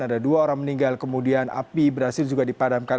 ada dua orang meninggal kemudian api berhasil juga dipadamkan